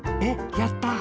やった！